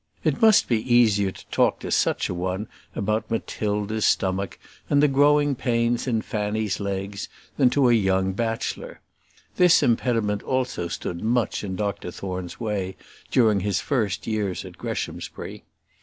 It must be easier to talk to such a one about Matilda's stomach, and the growing pains in Fanny's legs, than to a young bachelor. This impediment also stood much in Dr Thorne's way during his first years at Greshamsbury.